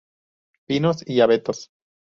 Pinos y abetos.